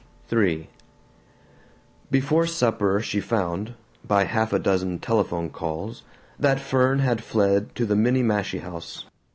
III Before supper she found, by half a dozen telephone calls, that Fern had fled to the Minniemashie House.